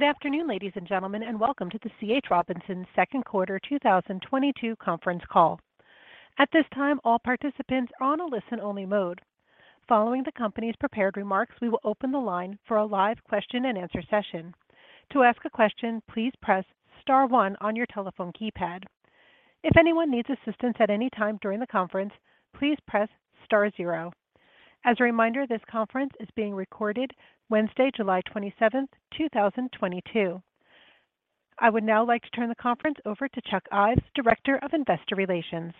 Good afternoon, ladies and gentlemen, and welcome to the C.H. Robinson second quarter 2022 conference call. At this time, all participants are on a listen only mode. Following the company's prepared remarks, we will open the line for a live question-and-answer session. To ask a question, please press star one on your telephone keypad. If anyone needs assistance at any time during the conference, please press star zero. As a reminder, this conference is being recorded Wednesday, July 27th, 2022. I would now like to turn the conference over to Chuck Ives, Director of Investor Relations.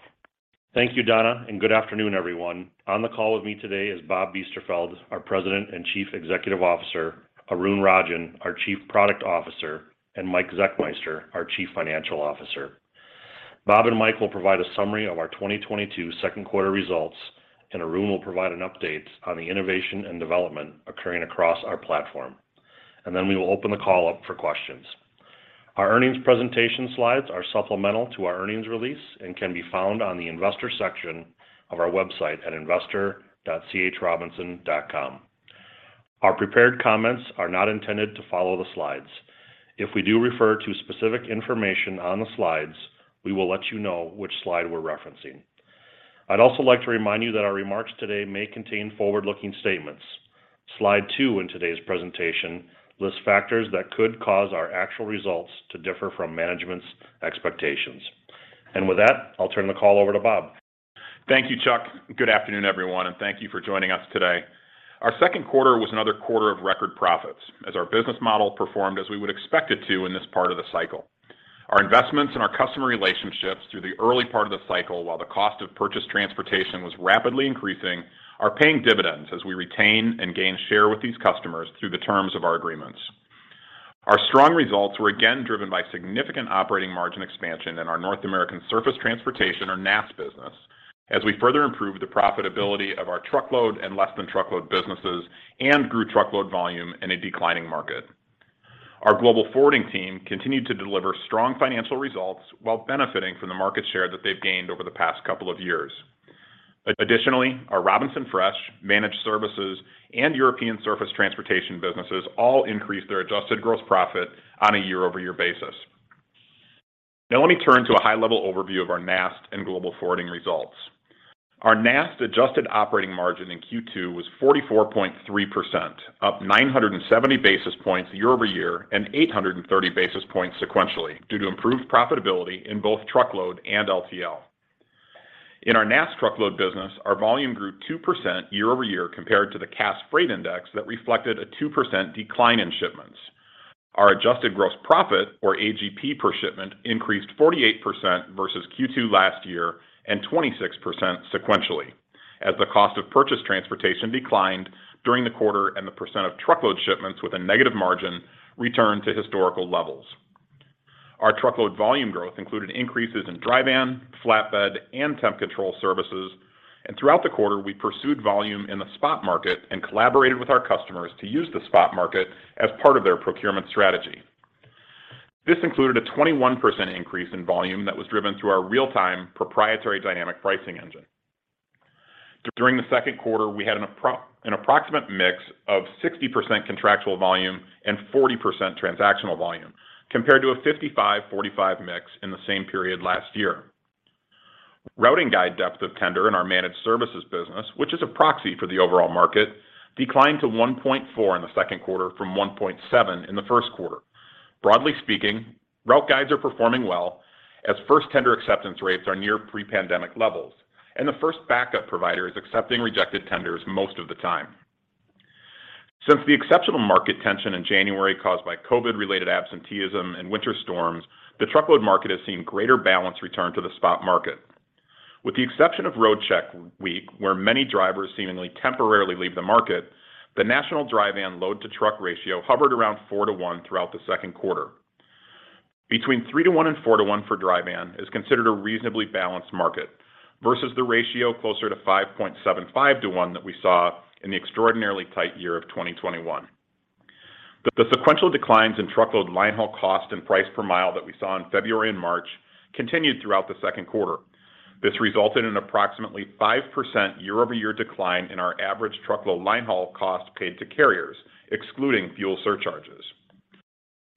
Thank you, Donna, and good afternoon, everyone. On the call with me today is Bob Biesterfeld, our President and Chief Executive Officer, Arun Rajan, our Chief Product Officer, and Mike Zechmeister, our Chief Financial Officer. Bob and Mike will provide a summary of our 2022 second quarter results, and Arun will provide an update on the innovation and development occurring across our platform. Then we will open the call up for questions. Our earnings presentation slides are supplemental to our earnings release and can be found on the investor section of our website at investor.chrobinson.com. Our prepared comments are not intended to follow the slides. If we do refer to specific information on the slides, we will let you know which slide we're referencing. I'd also like to remind you that our remarks today may contain forward-looking statements. Slide two in today's presentation lists factors that could cause our actual results to differ from management's expectations. With that, I'll turn the call over to Bob. Thank you, Chuck. Good afternoon, everyone, and thank you for joining us today. Our second quarter was another quarter of record profits as our business model performed as we would expect it to in this part of the cycle. Our investments in our customer relationships through the early part of the cycle, while the cost of purchase transportation was rapidly increasing, are paying dividends as we retain and gain share with these customers through the terms of our agreements. Our strong results were again driven by significant operating margin expansion in our North American Surface Transportation, or NAST, business as we further improved the profitability of our truckload and less than truckload businesses and grew truckload volume in a declining market. Our Global Forwarding team continued to deliver strong financial results while benefiting from the market share that they've gained over the past couple of years. Additionally, our Robinson Fresh managed services and European surface transportation businesses all increased their adjusted gross profit on a year-over-year basis. Now let me turn to a high level overview of our NAST and Global Forwarding results. Our NAST adjusted operating margin in Q2 was 44.3%, up 970 basis points year over year and 830 basis points sequentially due to improved profitability in both truckload and LTL. In our NAST truckload business, our volume grew 2% year over year compared to the Cass Freight Index that reflected a 2% decline in shipments. Our adjusted gross profit, or AGP, per shipment increased 48% versus Q2 last year and 26% sequentially as the cost of purchase transportation declined during the quarter and the percent of truckload shipments with a negative margin returned to historical levels. Our truckload volume growth included increases in dry van, flatbed, and temp control services. Throughout the quarter, we pursued volume in the spot market and collaborated with our customers to use the spot market as part of their procurement strategy. This included a 21% increase in volume that was driven through our real-time proprietary dynamic pricing engine. During the second quarter, we had an approximate mix of 60% contractual volume and 40% transactional volume compared to a 55/45 mix in the same period last year. Routing guide depth of tender in our managed services business, which is a proxy for the overall market, declined to 1.4 in the second quarter from 1.7 in the first quarter. Broadly speaking, route guides are performing well as first tender acceptance rates are near pre-pandemic levels, and the first backup provider is accepting rejected tenders most of the time. Since the exceptional market tension in January caused by COVID-related absenteeism and winter storms, the truckload market has seen greater balance return to the spot market. With the exception of Roadcheck Week, where many drivers seemingly temporarily leave the market, the national load-to-truck ratio hovered around 4-to-1 throughout the second quarter. Between 3-to-1 and 4-to-1 for dry van is considered a reasonably balanced market versus the ratio closer to 5.75-to-1 that we saw in the extraordinarily tight year of 2021. The sequential declines in truckload line haul cost and price per mile that we saw in February and March continued throughout the second quarter. This resulted in approximately 5% year-over-year decline in our average truckload line haul cost paid to carriers, excluding fuel surcharges.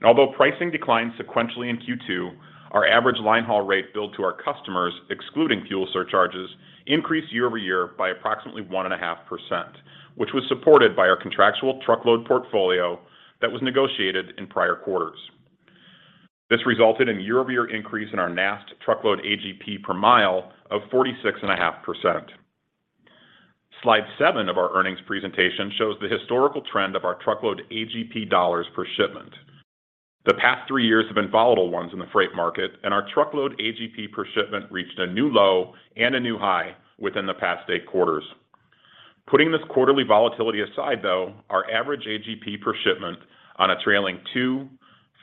Although pricing declined sequentially in Q2, our average line haul rate billed to our customers, excluding fuel surcharges, increased year over year by approximately 1.5%, which was supported by our contractual truckload portfolio that was negotiated in prior quarters. This resulted in a year-over-year increase in our NAST truckload AGP per mile of 46.5%. Slide seven of our earnings presentation shows the historical trend of our truckload AGP dollars per shipment. The past three years have been volatile ones in the freight market, and our truckload AGP per shipment reached a new low and a new high within the past eight quarters. Putting this quarterly volatility aside, though, our average AGP per shipment on a trailing two,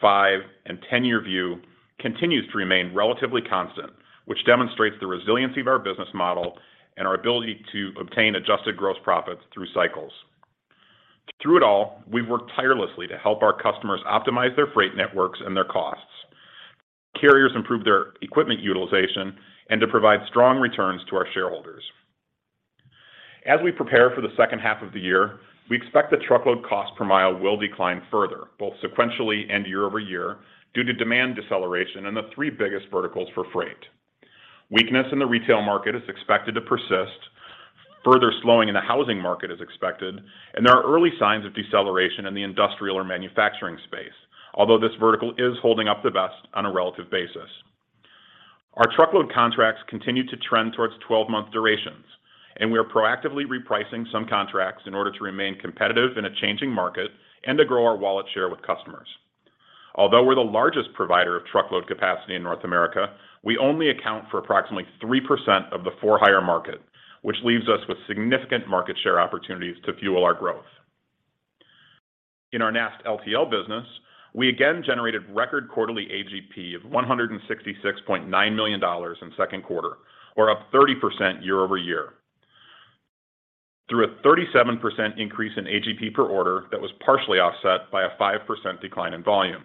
five, and 10-year view continues to remain relatively constant, which demonstrates the resiliency of our business model and our ability to obtain adjusted gross profits through cycles. Through it all, we've worked tirelessly to help our customers optimize their freight networks and their costs, carriers improve their equipment utilization, and to provide strong returns to our shareholders. As we prepare for the second half of the year, we expect the truckload cost per mile will decline further, both sequentially and year-over-year, due to demand deceleration in the three biggest verticals for freight. Weakness in the retail market is expected to persist, further slowing in the housing market is expected, and there are early signs of deceleration in the industrial or manufacturing space. Although this vertical is holding up the best on a relative basis. Our truckload contracts continue to trend towards 12-month durations, and we are proactively repricing some contracts in order to remain competitive in a changing market and to grow our wallet share with customers. Although we're the largest provider of truckload capacity in North America, we only account for approximately 3% of the for-hire market, which leaves us with significant market share opportunities to fuel our growth. In our NAST LTL business, we again generated record quarterly AGP of $166.9 million in second quarter, or up 30% year-over-year. Through a 37% increase in AGP per order that was partially offset by a 5% decline in volume.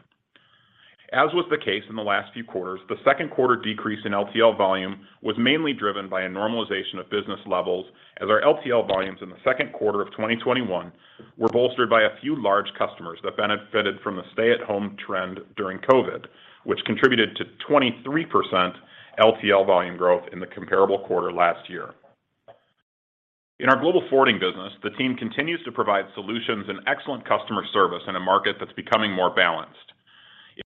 As was the case in the last few quarters, the second quarter decrease in LTL volume was mainly driven by a normalization of business levels as our LTL volumes in the second quarter of 2021 were bolstered by a few large customers that benefited from the stay-at-home trend during COVID, which contributed to 23% LTL volume growth in the comparable quarter last year. In our Global Forwarding business, the team continues to provide solutions and excellent customer service in a market that's becoming more balanced.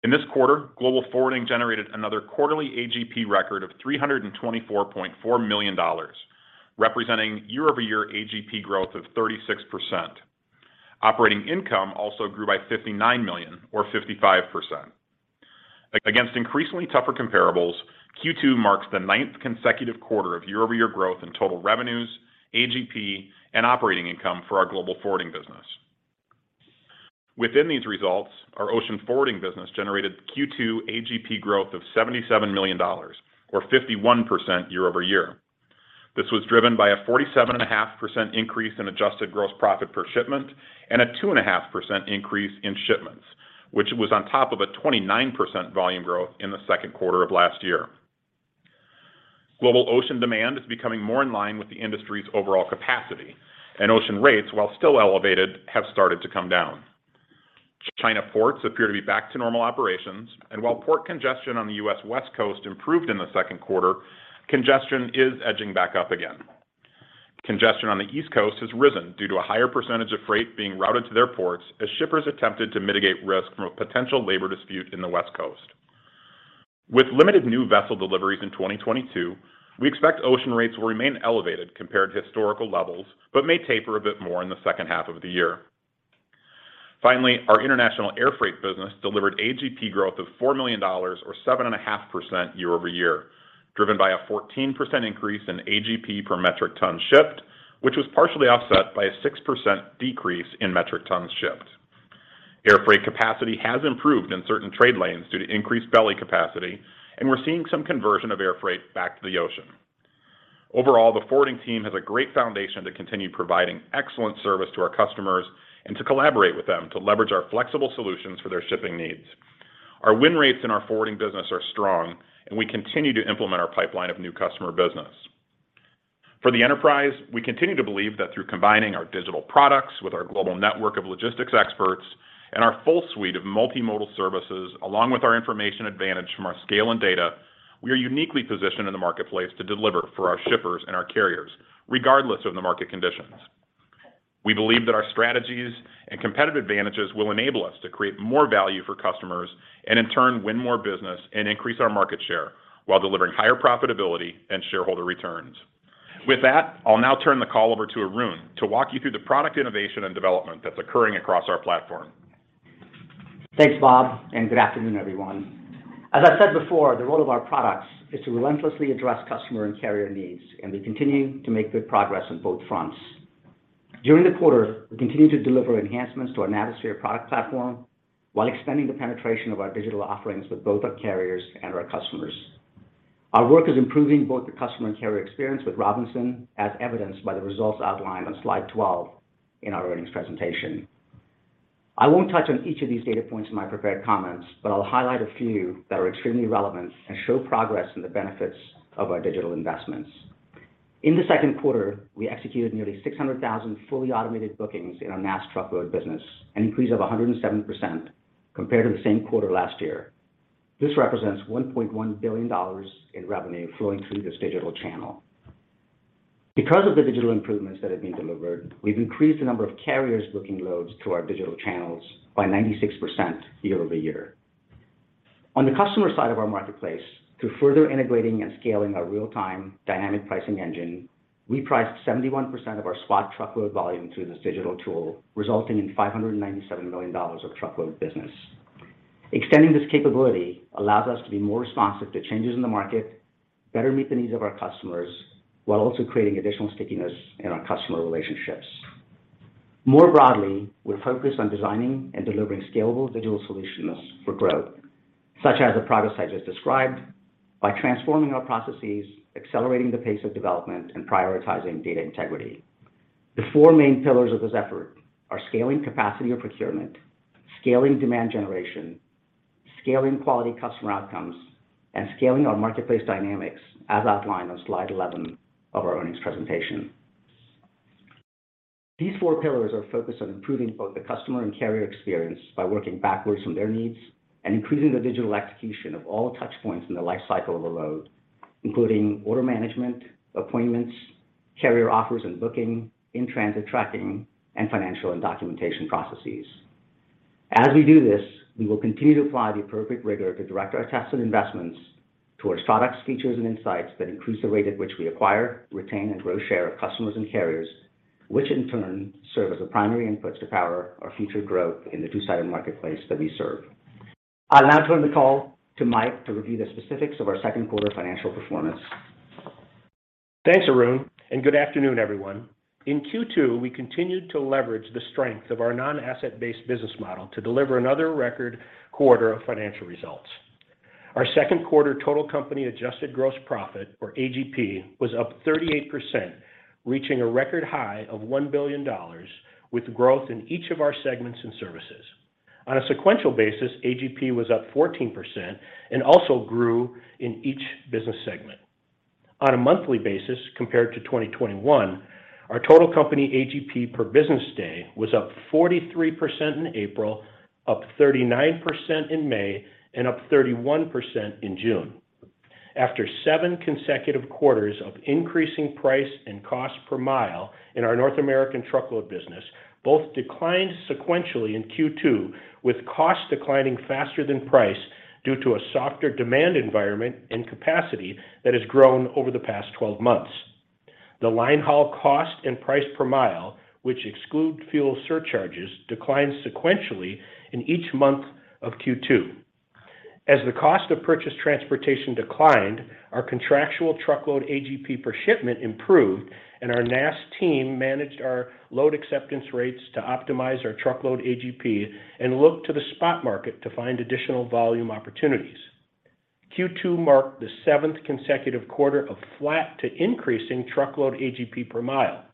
In this quarter, Global Forwarding generated another quarterly AGP record of $324.4 million, representing year-over-year AGP growth of 36%. Operating income also grew by $59 million or 55%. Against increasingly tougher comparables, Q2 marks the ninth consecutive quarter of year-over-year growth in total revenues, AGP, and operating income for our Global Forwarding business. Within these results, our Global Forwarding business generated Q2 AGP growth of $77 million or 51% year-over-year. This was driven by a 47.5% increase in adjusted gross profit per shipment and a 2.5% increase in shipments, which was on top of a 29% volume growth in the second quarter of last year. Global ocean demand is becoming more in line with the industry's overall capacity, and ocean rates, while still elevated, have started to come down. China ports appear to be back to normal operations, and while port congestion on the U.S. West Coast improved in the second quarter, congestion is edging back up again. Congestion on the East Coast has risen due to a higher percentage of freight being routed to their ports as shippers attempted to mitigate risk from a potential labor dispute in the West Coast. With limited new vessel deliveries in 2022, we expect ocean rates will remain elevated compared to historical levels, but may taper a bit more in the second half of the year. Finally, our international air freight business delivered AGP growth of $4 million or 7.5% year-over-year, driven by a 14% increase in AGP per metric ton shipped, which was partially offset by a 6% decrease in metric tons shipped. Air freight capacity has improved in certain trade lanes due to increased belly capacity, and we're seeing some conversion of air freight back to the ocean. Overall, the forwarding team has a great foundation to continue providing excellent service to our customers and to collaborate with them to leverage our flexible solutions for their shipping needs. Our win rates in our forwarding business are strong, and we continue to implement our pipeline of new customer business. For the enterprise, we continue to believe that through combining our digital products with our global network of logistics experts and our full suite of multimodal services, along with our information advantage from our scale and data, we are uniquely positioned in the marketplace to deliver for our shippers and our carriers, regardless of the market conditions. We believe that our strategies and competitive advantages will enable us to create more value for customers and in turn, win more business and increase our market share while delivering higher profitability and shareholder returns. With that, I'll now turn the call over to Arun to walk you through the product innovation and development that's occurring across our platform. Thanks, Bob, and good afternoon, everyone. As I said before, the role of our products is to relentlessly address customer and carrier needs, and we continue to make good progress on both fronts. During the quarter, we continued to deliver enhancements to our Navisphere product platform while expanding the penetration of our digital offerings with both our carriers and our customers. Our work is improving both the customer and carrier experience with Robinson, as evidenced by the results outlined on slide 12 in our earnings presentation. I won't touch on each of these data points in my prepared comments, but I'll highlight a few that are extremely relevant and show progress in the benefits of our digital investments. In the second quarter, we executed nearly 600,000 fully automated bookings in our mass truckload business, an increase of 107% compared to the same quarter last year. This represents $1.1 billion in revenue flowing through this digital channel. Because of the digital improvements that have been delivered, we've increased the number of carriers booking loads to our digital channels by 96% year-over-year. On the customer side of our marketplace, through further integrating and scaling our real-time dynamic pricing engine, we priced 71% of our spot truckload volume through this digital tool, resulting in $597 million of truckload business. Extending this capability allows us to be more responsive to changes in the market, better meet the needs of our customers, while also creating additional stickiness in our customer relationships. More broadly, we're focused on designing and delivering scalable digital solutions for growth, such as the progress I just described, by transforming our processes, accelerating the pace of development, and prioritizing data integrity. The four main pillars of this effort are scaling capacity or procurement, scaling demand generation, scaling quality customer outcomes, and scaling our marketplace dynamics as outlined on slide 11 of our earnings presentation. These four pillars are focused on improving both the customer and carrier experience by working backwards from their needs and increasing the digital execution of all touch points in the life cycle of a load, including order management, appointments, carrier offers, and booking, in-transit tracking, and financial and documentation processes. As we do this, we will continue to apply the appropriate rigor to direct our tested investments towards products, features, and insights that increase the rate at which we acquire, retain, and grow share of customers and carriers, which in turn serve as the primary inputs to power our future growth in the two-sided marketplace that we serve. I'll now turn the call to Mike to review the specifics of our second quarter financial performance. Thanks, Arun, and good afternoon, everyone. In Q2, we continued to leverage the strength of our non-asset-based business model to deliver another record quarter of financial results. Our second quarter total company adjusted gross profit or AGP was up 38%, reaching a record high of $1 billion, with growth in each of our segments and services. On a sequential basis, AGP was up 14% and also grew in each business segment. On a monthly basis compared to 2021, our total company AGP per business day was up 43% in April, up 39% in May, and up 31% in June. After seven consecutive quarters of increasing price and cost per mile in our North American truckload business, both declined sequentially in Q2, with cost declining faster than price due to a softer demand environment and capacity that has grown over the past 12 months. The linehaul cost and price per mile, which exclude fuel surcharges, declined sequentially in each month of Q2. As the cost of purchase transportation declined, our contractual truckload AGP per shipment improved and our NAST team managed our load acceptance rates to optimize our truckload AGP and look to the spot market to find additional volume opportunities. Q2 marked the seventh consecutive quarter of flat to increasing truckload AGP per mile.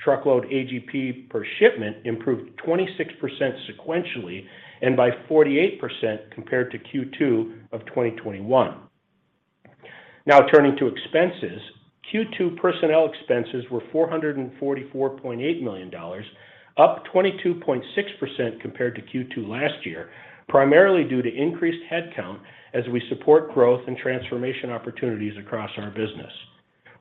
Truckload AGP per shipment improved 26% sequentially and by 48% compared to Q2 of 2021. Now turning to expenses. Q2 personnel expenses were $444.8 million, up 22.6% compared to Q2 last year, primarily due to increased headcount as we support growth and transformation opportunities across our business.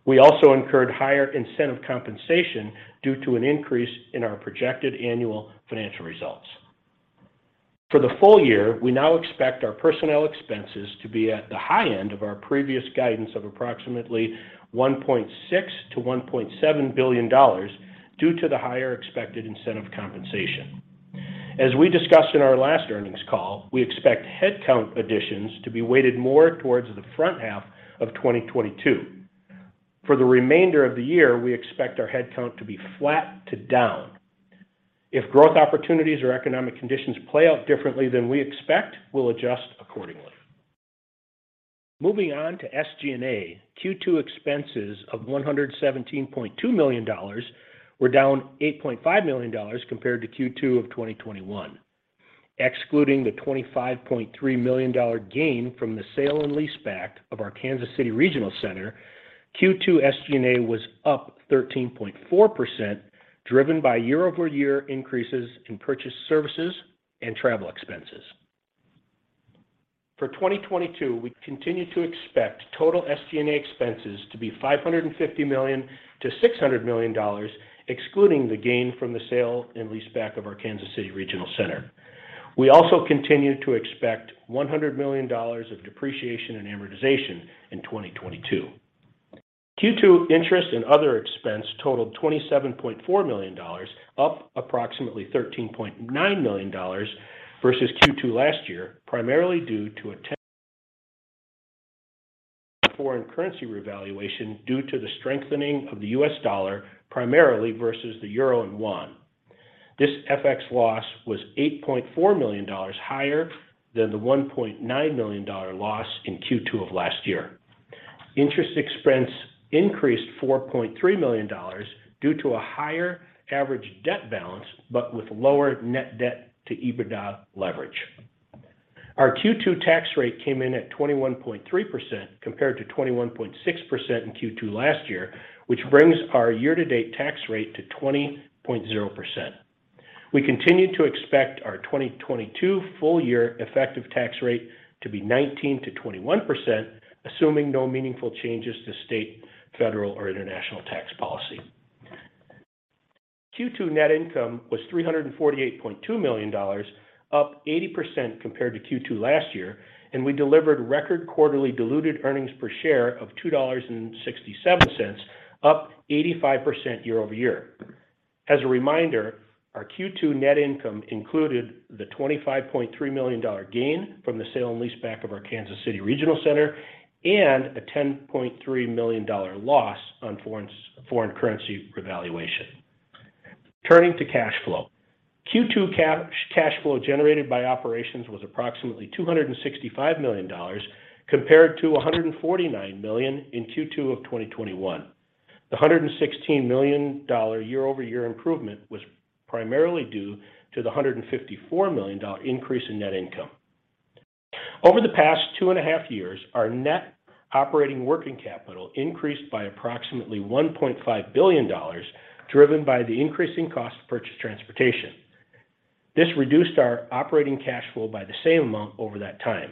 We also incurred higher incentive compensation due to an increase in our projected annual financial results. For the full year, we now expect our personnel expenses to be at the high end of our previous guidance of approximately $1.6 billion-$1.7 billion due to the higher expected incentive compensation. As we discussed in our last earnings call, we expect headcount additions to be weighted more towards the front half of 2022. For the remainder of the year, we expect our headcount to be flat to down. If growth opportunities or economic conditions play out differently than we expect, we'll adjust accordingly. Moving on to SG&A. Q2 expenses of $117.2 million were down $8.5 million compared to Q2 of 2021. Excluding the $25.3 million gain from the sale and leaseback of our Kansas City Regional Center, Q2 SG&A was up 13.4%, driven by year-over-year increases in purchase services and travel expenses. For 2022, we continue to expect total SG&A expenses to be $550 million-$600 million, excluding the gain from the sale and leaseback of our Kansas City Regional Center. We also continue to expect $100 million of depreciation and amortization in 2022. Q2 interest and other expense totaled $27.4 million, up approximately $13.9 million versus Q2 last year, primarily due to a foreign currency revaluation due to the strengthening of the U.S. dollar, primarily versus the euro and yuan. This FX loss was $8.4 million higher than the $1.9 million loss in Q2 of last year. Interest expense increased $4.3 million due to a higher average debt balance, but with lower net debt to EBITDA leverage. Our Q2 tax rate came in at 21.3% compared to 21.6% in Q2 last year, which brings our year-to-date tax rate to 20.0%. We continue to expect our 2022 full year effective tax rate to be 19%-21%, assuming no meaningful changes to state, federal, or international tax policy. Q2 net income was $348.2 million, up 80% compared to Q2 last year, and we delivered record quarterly diluted earnings per share of $2.67, up 85% year-over-year. As a reminder, our Q2 net income included the $25.3 million gain from the sale and leaseback of our Kansas City Regional Center and a $10.3 million loss on foreign currency revaluation. Turning to cash flow. Q2 cash flow generated by operations was approximately $265 million compared to $149 million in Q2 of 2021. The $116 million year-over-year improvement was primarily due to the $154 million increase in net income. Over the past two and a half years, our net operating working capital increased by approximately $1.5 billion, driven by the increasing cost of purchased transportation. This reduced our operating cash flow by the same amount over that time.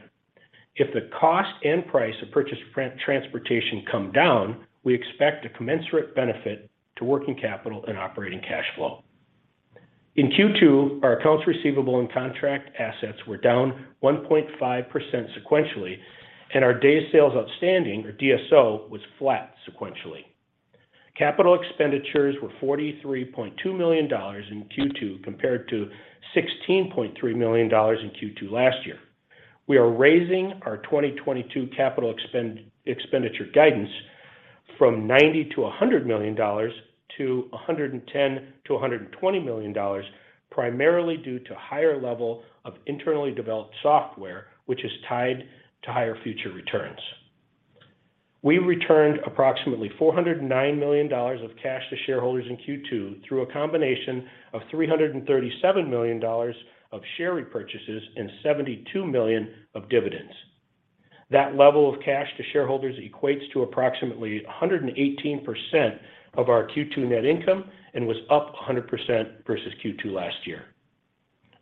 If the cost and price of purchase transportation come down, we expect a commensurate benefit to working capital and operating cash flow. In Q2, our accounts receivable and contract assets were down 1.5% sequentially, and our days sales outstanding, or DSO, was flat sequentially. Capital expenditures were $43.2 million in Q2 compared to $16.3 million in Q2 last year. We are raising our 2022 capital expenditure guidance from $90 million-$100 million to $110 million-$120 million, primarily due to higher level of internally developed software, which is tied to higher future returns. We returned approximately $409 million of cash to shareholders in Q2 through a combination of $337 million of share repurchases and $72 million of dividends. That level of cash to shareholders equates to approximately 118% of our Q2 net income and was up 100% versus Q2 last year.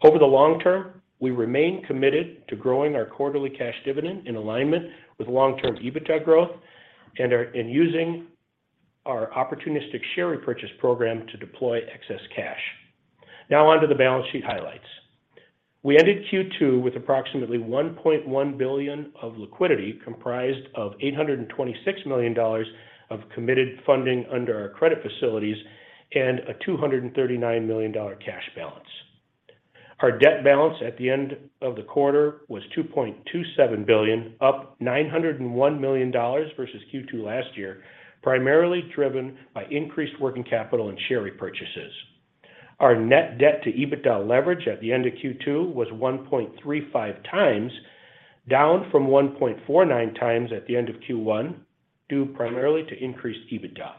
Over the long term, we remain committed to growing our quarterly cash dividend in alignment with long-term EBITDA growth and using our opportunistic share repurchase program to deploy excess cash. Now on to the balance sheet highlights. We ended Q2 with approximately $1.1 billion of liquidity, comprised of $826 million of committed funding under our credit facilities and a $239 million cash balance. Our debt balance at the end of the quarter was $2.27 billion, up $901 million versus Q2 last year, primarily driven by increased working capital and share repurchases. Our net debt to EBITDA leverage at the end of Q2 was 1.35x, down from 1.49x at the end of Q1, due primarily to increased EBITDA.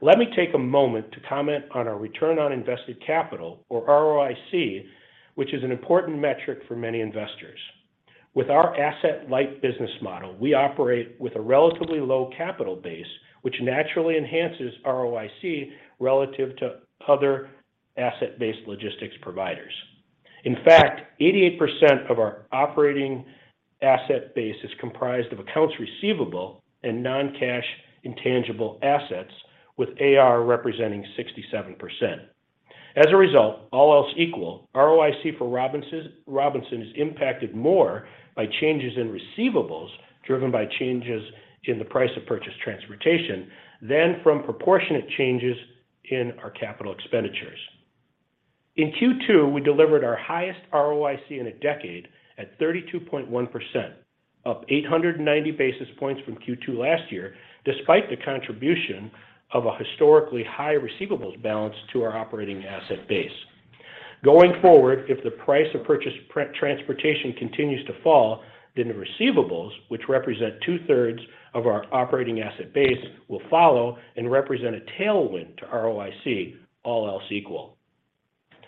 Let me take a moment to comment on our return on invested capital, or ROIC, which is an important metric for many investors. With our asset-light business model, we operate with a relatively low capital base, which naturally enhances ROIC relative to other asset-based logistics providers. In fact, 88% of our operating asset base is comprised of accounts receivable and non-cash intangible assets, with AR representing 67%. As a result, all else equal, ROIC for Robinson is impacted more by changes in receivables driven by changes in the price of purchased transportation than from proportionate changes in our capital expenditures. In Q2, we delivered our highest ROIC in a decade at 32.1%, up 890 basis points from Q2 last year, despite the contribution of a historically high receivables balance to our operating asset base. Going forward, if the price of purchased transportation continues to fall, then the receivables, which represent two-thirds of our operating asset base, will follow and represent a tailwind to ROIC, all else equal.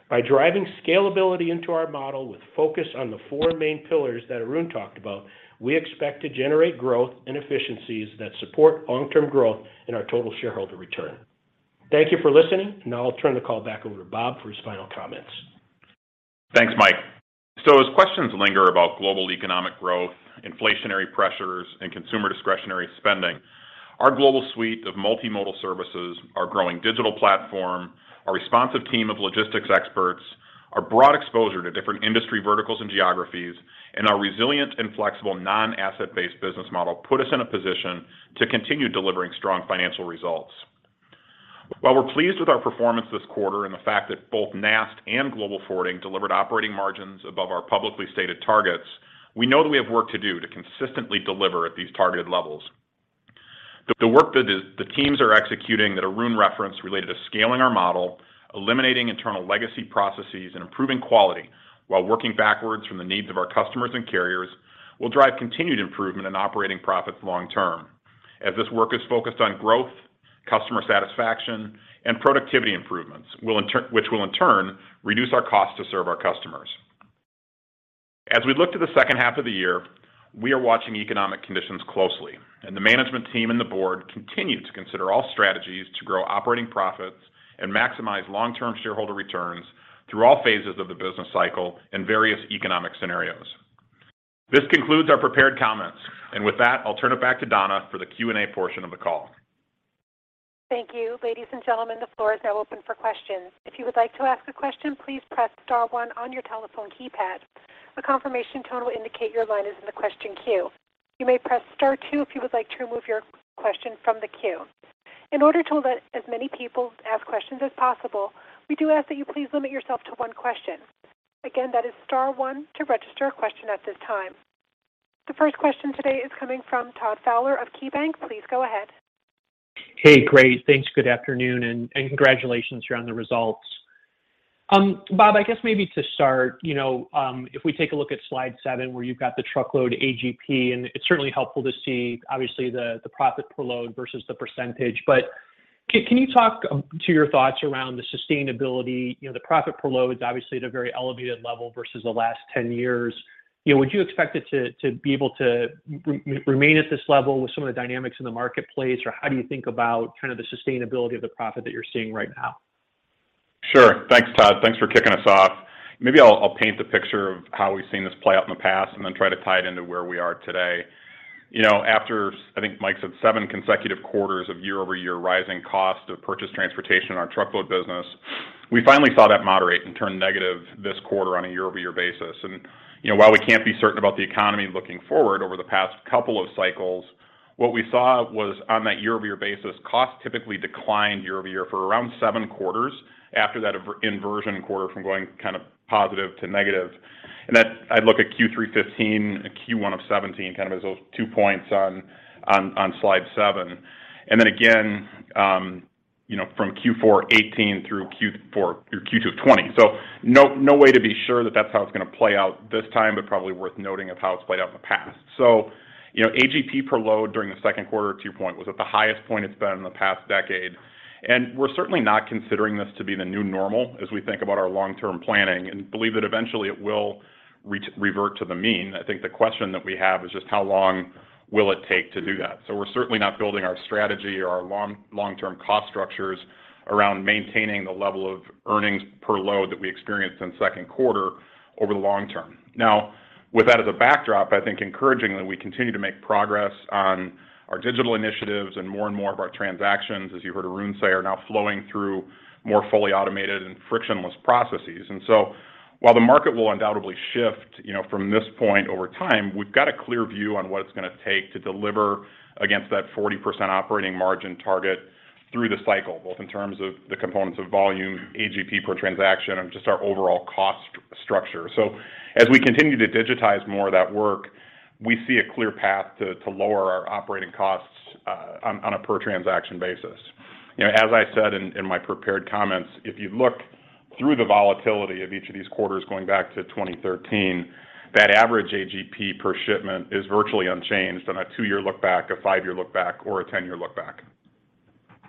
By driving scalability into our model with focus on the four main pillars that Arun talked about, we expect to generate growth and efficiencies that support long-term growth in our total shareholder return. Thank you for listening, and I'll turn the call back over to Bob for his final comments. Thanks, Mike. As questions linger about global economic growth, inflationary pressures, and consumer discretionary spending, our global suite of multimodal services, our growing digital platform, our responsive team of logistics experts, our broad exposure to different industry verticals and geographies, and our resilient and flexible non-asset-based business model put us in a position to continue delivering strong financial results. While we're pleased with our performance this quarter and the fact that both NAST and Global Forwarding delivered operating margins above our publicly stated targets, we know that we have work to do to consistently deliver at these targeted levels. The work that the teams are executing that Arun referenced related to scaling our model, eliminating internal legacy processes, and improving quality while working backwards from the needs of our customers and carriers will drive continued improvement in operating profits long term, as this work is focused on growth, customer satisfaction, and productivity improvements, which will in turn reduce our cost to serve our customers. As we look to the second half of the year, we are watching economic conditions closely, and the management team and the board continue to consider all strategies to grow operating profits and maximize long-term shareholder returns through all phases of the business cycle and various economic scenarios. This concludes our prepared comments. With that, I'll turn it back to Donna for the Q&A portion of the call. Thank you. Ladies and gentlemen, the floor is now open for questions. If you would like to ask a question, please press star one on your telephone keypad. A confirmation tone will indicate your line is in the question queue. You may press star two if you would like to remove your question from the queue. In order to let as many people ask questions as possible, we do ask that you please limit yourself to one question. Again, that is star one to register a question at this time. The first question today is coming from Todd Fowler of KeyBanc. Please go ahead. Hey, great. Thanks. Good afternoon, and congratulations on the results. Bob, I guess maybe to start, you know, if we take a look at slide seven where you've got the truckload AGP, and it's certainly helpful to see obviously the profit per load versus the percentage. But can you talk to your thoughts around the sustainability, you know, the profit per load is obviously at a very elevated level versus the last 10 years. You know, would you expect it to be able to remain at this level with some of the dynamics in the marketplace, or how do you think about kind of the sustainability of the profit that you're seeing right now? Sure. Thanks, Todd. Thanks for kicking us off. Maybe I'll paint the picture of how we've seen this play out in the past and then try to tie it into where we are today. You know, after I think Mike said seven consecutive quarters of year-over-year rising cost of purchase transportation in our truckload business, we finally saw that moderate and turn negative this quarter on a year-over-year basis. You know, while we can't be certain about the economy looking forward over the past couple of cycles, what we saw was on that year-over-year basis, costs typically declined year-over-year for around seven quarters after that inversion quarter from going kind of positive to negative. I look at Q3 2015, Q1 of 2017 kind of as those two points on slide seven. Then again, you know, from Q4 2018 through Q4 or Q2 of 2020. No way to be sure that that's how it's going to play out this time, but probably worth noting how it's played out in the past. You know, AGP per load during the second quarter in Q2 was at the highest point it's been in the past decade. We're certainly not considering this to be the new normal as we think about our long-term planning and believe that eventually it will revert to the mean. I think the question that we have is just how long will it take to do that. We're certainly not building our strategy or our long-term cost structures around maintaining the level of earnings per load that we experienced in second quarter over the long term. Now, with that as a backdrop, I think encouragingly, we continue to make progress on our digital initiatives, and more and more of our transactions, as you heard Arun say, are now flowing through more fully automated and frictionless processes. While the market will undoubtedly shift, you know, from this point over time, we've got a clear view on what it's going to take to deliver against that 40% operating margin target through the cycle, both in terms of the components of volume, AGP per transaction, and just our overall cost structure. As we continue to digitize more of that work, we see a clear path to lower our operating costs on a per transaction basis. You know, as I said in my prepared comments, if you look through the volatility of each of these quarters going back to 2013, that average AGP per shipment is virtually unchanged on a two-year look back, a five-year look back, or a 10-year look back.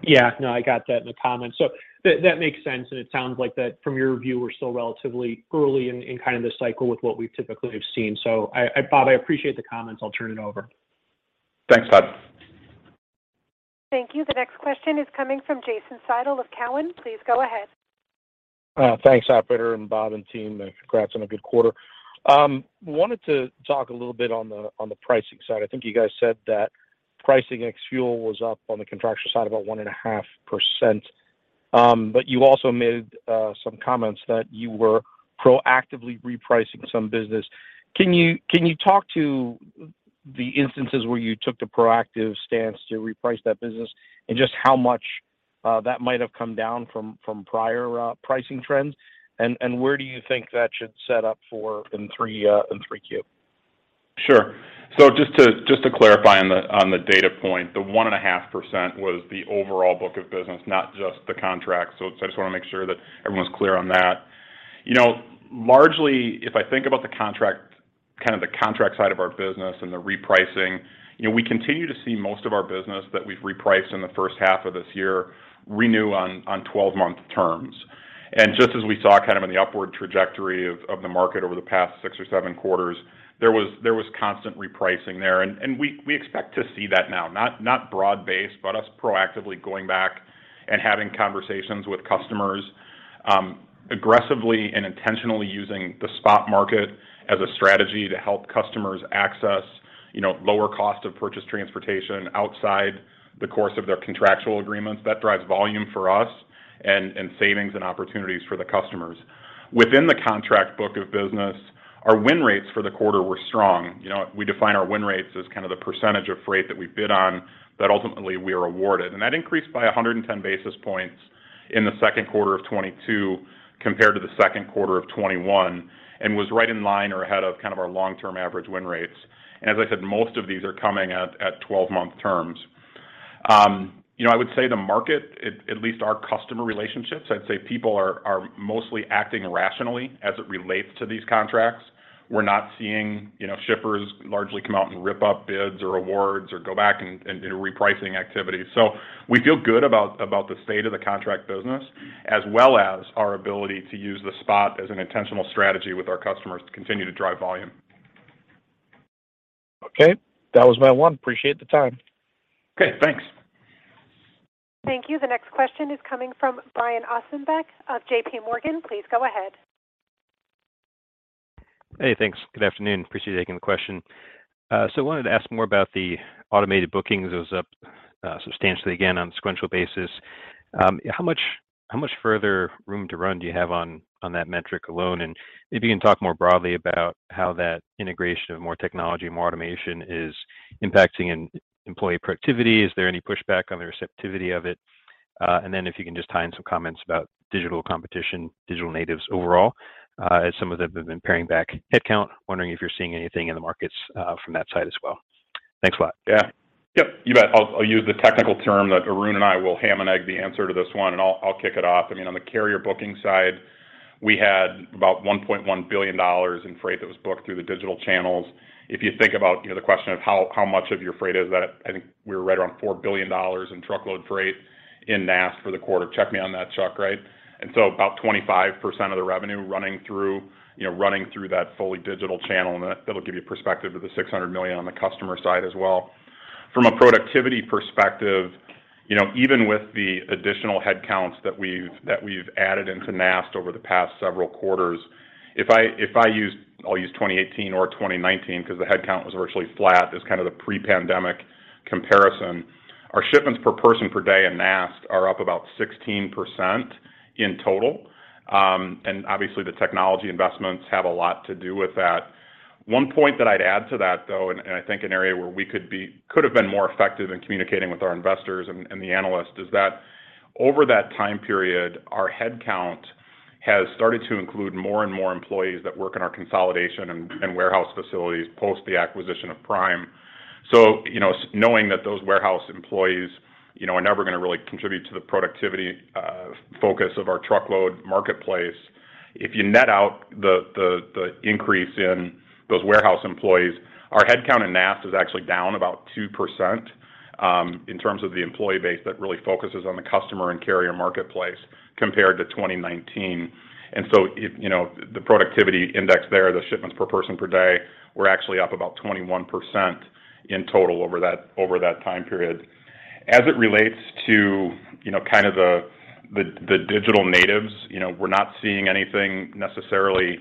Yeah. No, I got that in the comments. That makes sense, and it sounds like that from your view, we're still relatively early in kind of this cycle with what we typically have seen. Bob, I appreciate the comments. I'll turn it over. Thanks, Todd. Thank you. The next question is coming from Jason Seidl of Cowen. Please go ahead. Thanks, operator and Bob and team. Congrats on a good quarter. Wanted to talk a little bit on the pricing side. I think you guys said that pricing ex fuel was up on the contractual side about 1.5%. But you also made some comments that you were proactively repricing some business. Can you talk to the instances where you took the proactive stance to reprice that business and just how much that might have come down from prior pricing trends? Where do you think that should set up for in 3Q? Sure. Just to clarify on the data point, the 1.5% was the overall book of business, not just the contract. I just want to make sure that everyone's clear on that. You know, largely, if I think about the contract, kind of the contract side of our business and the repricing, you know, we continue to see most of our business that we've repriced in the first half of this year renew on 12-month terms. Just as we saw kind of in the upward trajectory of the market over the past six or seven quarters, there was constant repricing there. We expect to see that now. Not broad-based, but us proactively going back and having conversations with customers, aggressively and intentionally using the spot market as a strategy to help customers access, you know, lower cost of purchase transportation outside the course of their contractual agreements. That drives volume for us and savings and opportunities for the customers. Within the contract book of business, our win rates for the quarter were strong. You know, we define our win rates as kind of the percentage of freight that we bid on that ultimately we are awarded. That increased by 110 basis points in the second quarter of 2022 compared to the second quarter of 2021 and was right in line or ahead of kind of our long-term average win rates. As I said, most of these are coming at 12-month terms. You know, I would say the market, at least our customer relationships, I'd say people are mostly acting rationally as it relates to these contracts. We're not seeing, you know, shippers largely come out and rip up bids or awards or go back and repricing activities. We feel good about the state of the contract business as well as our ability to use the spot as an intentional strategy with our customers to continue to drive volume. Okay. That was my one. Appreciate the time. Okay. Thanks. Thank you. The next question is coming from Brian Ossenbeck of JPMorgan. Please go ahead. Hey, thanks. Good afternoon. Appreciate you taking the question. So wanted to ask more about the automated bookings. It was up substantially again on sequential basis. How much further room to run do you have on that metric alone? If you can talk more broadly about how that integration of more technology, more automation is impacting employee productivity. Is there any pushback on the receptivity of it? Then if you can just tie in some comments about digital competition, digital natives overall, as some of them have been paring back headcount, wondering if you're seeing anything in the markets from that side as well. Thanks a lot. Yeah. Yep, you bet. I'll use the technical term that Arun and I will ham and egg the answer to this one, and I'll kick it off. I mean, on the carrier booking side, we had about $1.1 billion in freight that was booked through the digital channels. If you think about, you know, the question of how much of your freight is that, I think we were right around $4 billion in truckload freight in NAST for the quarter. Check me on that, Chuck, right? About 25% of the revenue running through, you know, running through that fully digital channel. That'll give you perspective to the $600 million on the customer side as well. From a productivity perspective, you know, even with the additional headcounts that we've added into NAST over the past several quarters, if I use 2018 or 2019 because the headcount was virtually flat, as kind of the pre-pandemic comparison. Our shipments per person per day in NAST are up about 16% in total. Obviously the technology investments have a lot to do with that. One point that I'd add to that, though, and I think an area where we could have been more effective in communicating with our investors and the analysts, is that over that time period, our headcount has started to include more and more employees that work in our consolidation and warehouse facilities post the acquisition of Prime. Knowing that those warehouse employees, you know, are never gonna really contribute to the productivity focus of our truckload marketplace, if you net out the increase in those warehouse employees, our headcount in NAST is actually down about 2%, in terms of the employee base that really focuses on the customer and carrier marketplace compared to 2019. If, you know, the productivity index there, the shipments per person per day were actually up about 21% in total over that time period. As it relates to, you know, kind of the digital natives, you know, we're not seeing anything necessarily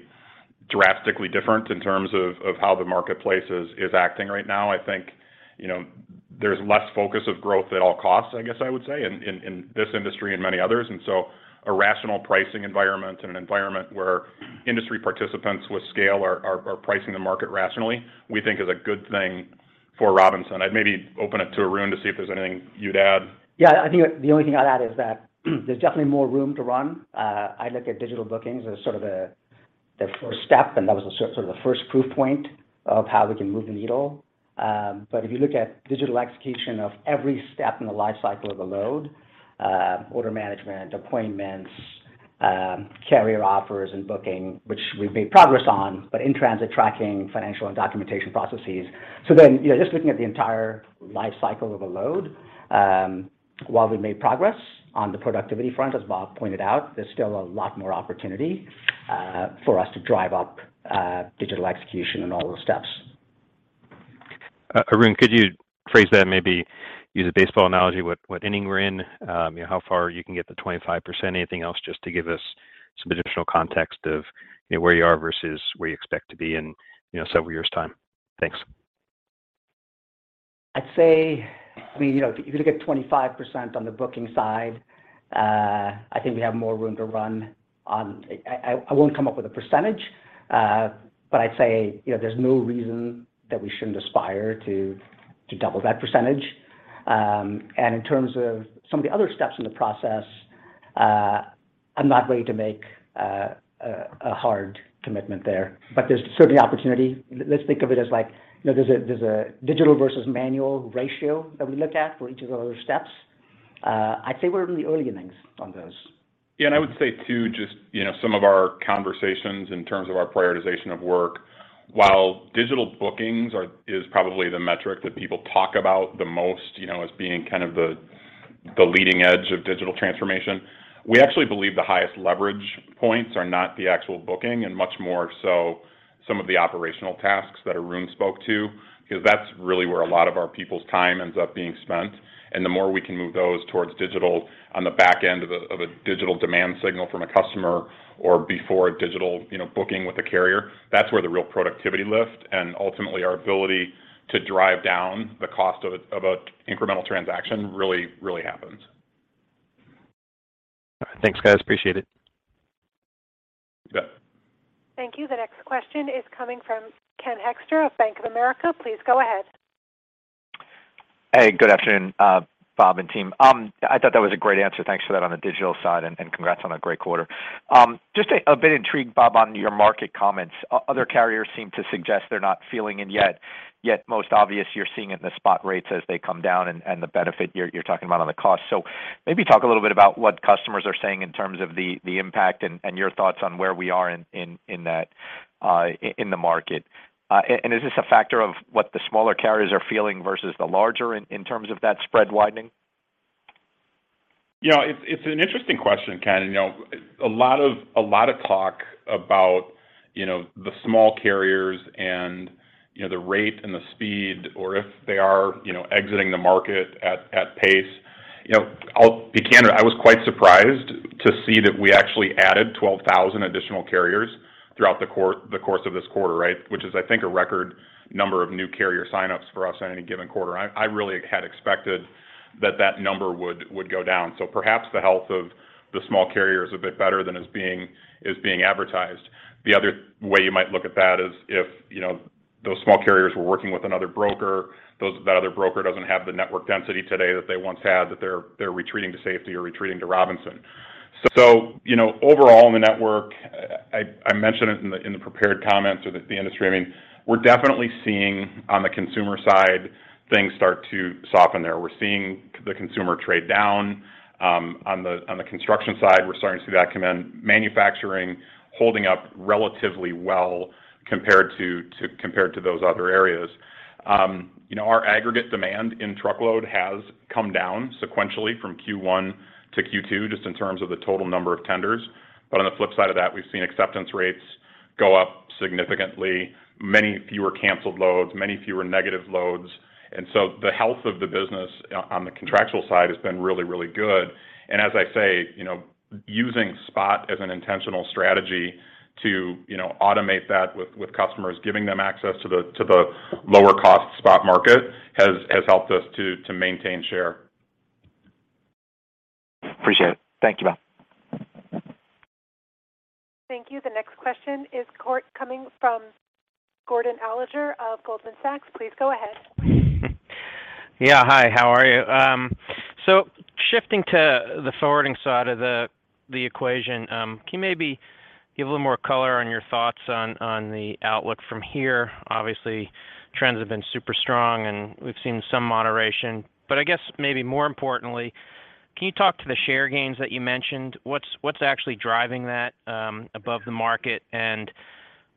drastically different in terms of how the marketplace is acting right now. I think, you know, there's less focus of growth at all costs, I guess I would say, in this industry and many others. A rational pricing environment and an environment where industry participants with scale are pricing the market rationally, we think is a good thing for Robinson. I'd maybe open it to Arun to see if there's anything you'd add. Yeah, I think the only thing I'd add is that there's definitely more room to run. I look at digital bookings as sort of the first step, and that was sort of the first proof point of how we can move the needle. But if you look at digital execution of every step in the life cycle of a load, order management, appointments, carrier offers and booking, which we've made progress on, but in-transit tracking, financial and documentation processes. You know, just looking at the entire life cycle of a load, while we've made progress on the productivity front, as Bob pointed out, there's still a lot more opportunity for us to drive up digital execution in all those steps. Arun, could you phrase that, maybe use a baseball analogy, what inning we're in? You know, how far you can get the 25%? Anything else just to give us some additional context of, you know, where you are versus where you expect to be in, you know, several years' time? Thanks. I'd say, I mean, you know, if you look at 25% on the booking side, I think we have more room to run on. I won't come up with a percentage, but I'd say, you know, there's no reason that we shouldn't aspire to double that percentage. In terms of some of the other steps in the process, I'm not ready to make a hard commitment there, but there's certainly opportunity. Let's think of it as like, you know, there's a digital versus manual ratio that we look at for each of those steps. I'd say we're in the early innings on those. Yeah, I would say, too, just, you know, some of our conversations in terms of our prioritization of work. While digital bookings is probably the metric that people talk about the most, you know, as being kind of the leading edge of digital transformation, we actually believe the highest leverage points are not the actual booking and much more so some of the operational tasks that Arun spoke to, because that's really where a lot of our people's time ends up being spent. The more we can move those towards digital on the back end of a digital demand signal from a customer or before a digital, you know, booking with a carrier, that's where the real productivity lift and ultimately our ability to drive down the cost of an incremental transaction really, really happens. All right. Thanks, guys. Appreciate it. You bet. Thank you. The next question is coming from Ken Hoexter of Bank of America. Please go ahead. Hey, good afternoon, Bob and team. I thought that was a great answer. Thanks for that on the digital side, and congrats on a great quarter. Just a bit intrigued, Bob, on your market comments. Other carriers seem to suggest they're not feeling it yet. Most obvious you're seeing it in the spot rates as they come down and the benefit you're talking about on the cost. Maybe talk a little bit about what customers are saying in terms of the impact and your thoughts on where we are in that in the market. Is this a factor of what the smaller carriers are feeling versus the larger in terms of that spread widening? Yeah, it's an interesting question, Ken. You know, a lot of talk about, you know, the small carriers and, you know, the rate and the speed or if they are, you know, exiting the market at pace. You know, I'll be candid. I was quite surprised to see that we actually added 12,000 additional carriers throughout the course of this quarter, right? Which is I think a record number of new carrier signups for us in any given quarter. I really had expected that that number would go down. Perhaps the health of the small carrier is a bit better than is being advertised. The other way you might look at that is if, you know, those small carriers were working with another broker, that other broker doesn't have the network density today that they once had, that they're retreating to safety or retreating to Robinson. You know, overall in the network. I mentioned it in the prepared comments or the industry. I mean, we're definitely seeing on the consumer side things start to soften there. We're seeing the consumer trade down. On the construction side, we're starting to see that come in. Manufacturing holding up relatively well compared to those other areas. You know, our aggregate demand in truckload has come down sequentially from Q1-Q2, just in terms of the total number of tenders. On the flip side of that, we've seen acceptance rates go up significantly, many fewer canceled loads, many fewer negative loads. The health of the business on the contractual side has been really, really good. As I say, you know, using spot as an intentional strategy to, you know, automate that with customers, giving them access to the lower cost spot market has helped us to maintain share. Appreciate it. Thank you, Bob. Thank you. The next question is coming from Jordan Alliger of Goldman Sachs. Please go ahead. Yeah. Hi, how are you? So shifting to the forwarding side of the equation, can you maybe give a little more color on your thoughts on the outlook from here? Obviously, trends have been super strong, and we've seen some moderation. I guess maybe more importantly, can you talk to the share gains that you mentioned? What's actually driving that above the market? And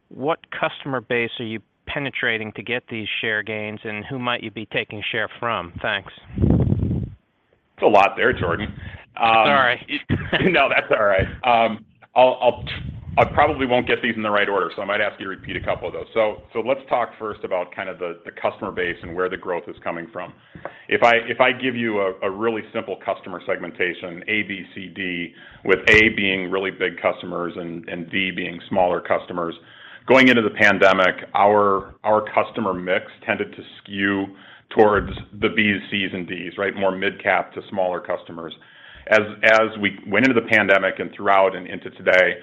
what customer base are you penetrating to get these share gains, and who might you be taking share from? Thanks. That's a lot there, Jordan. Sorry. No, that's all right. I probably won't get these in the right order, so I might ask you to repeat a couple of those. Let's talk first about kind of the customer base and where the growth is coming from. If I give you a really simple customer segmentation, A, B, C, D, with A being really big customers and D being smaller customers, going into the pandemic, our customer mix tended to skew towards the Bs, Cs, and Ds, right? More midcap to smaller customers. As we went into the pandemic and throughout and into today,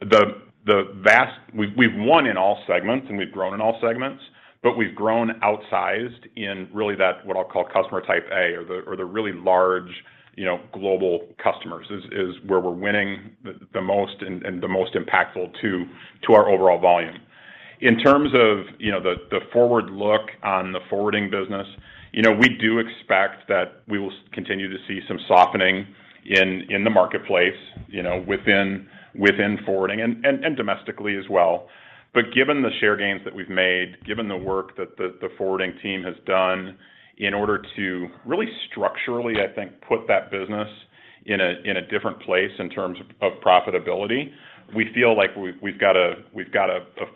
the vast. We've won in all segments, and we've grown in all segments, but we've grown outsized in really that what I'll call customer type A or the really large, you know, global customers is where we're winning the most and the most impactful to our overall volume. In terms of, you know, the forward look on the forwarding business, you know, we do expect that we will continue to see some softening in the marketplace, you know, within forwarding and domestically as well. Given the share gains that we've made, given the work that the forwarding team has done in order to really structurally, I think, put that business in a different place in terms of profitability, we feel like we've got a